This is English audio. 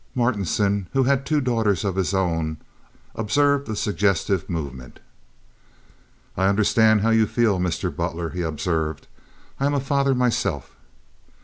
Martinson, who had two daughters of his own, observed the suggestive movement. "I understand how you feel, Mr. Butler," he observed. "I am a father myself.